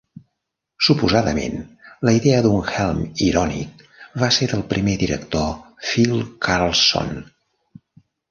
Suposadament, la idea d'un Helm irònic va ser del primer director, Phil Karlson.